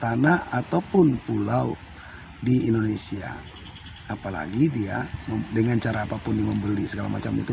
tanah ataupun pulau di indonesia apalagi dia dengan cara apapun dia membeli segala macam itu